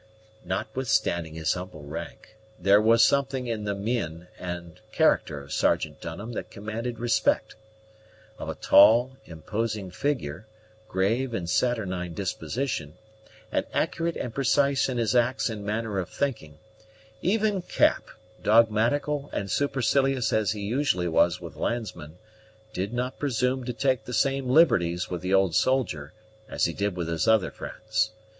Notwithstanding his humble rank, there was something in the mien and character of Sergeant Dunham that commanded respect: of a tall, imposing figure, grave and saturnine disposition, and accurate and precise in his acts and manner of thinking, even Cap, dogmatical and supercilious as he usually was with landsmen, did not presume to take the same liberties with the old soldier as he did with his other friends.